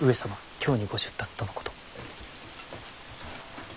京にご出立とのこと。